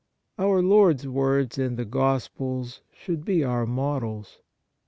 Our Lord's words in the Gospels should be our models.